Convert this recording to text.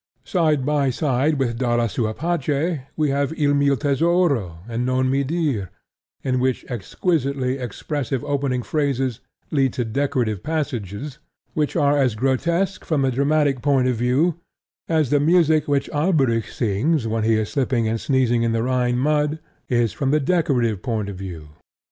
Side by side with Dalla sua pace we have Il mio tesoro and Non mi dir, in which exquisitely expressive opening phrases lead to decorative passages which are as grotesque from the dramatic point of view as the music which Alberic sings when he is slipping and sneezing in the Rhine mud is from the decorative point of view.